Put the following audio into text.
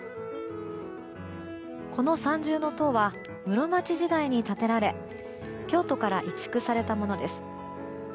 この三重塔は室町時代に建てられ京都から移築されたものです。